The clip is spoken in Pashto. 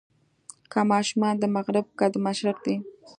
که ماشومان د مغرب که د مشرق دي.